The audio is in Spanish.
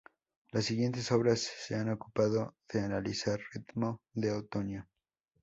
Las siguientes obras se han ocupado de analizar "Ritmo de Otoño:"